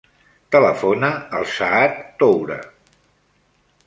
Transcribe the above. Telefona al Saad Toure.